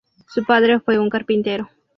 Su padre fue un carpintero.